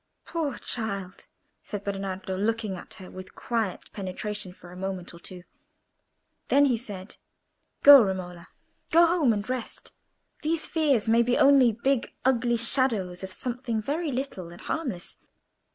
"Poor child!" said Bernardo, looking at her with quiet penetration for a moment or two. Then he said: "Go, Romola—go home and rest. These fears may be only big ugly shadows of something very little and harmless.